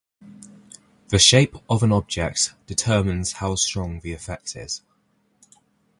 The shape of an object determines how strong the effect is.